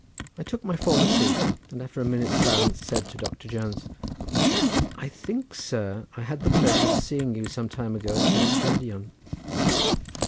I took my former seat, and after a minute's silence said to Doctor Jones, "I think, sir, I had the pleasure of seeing you some time ago at Cerrig Drudion?"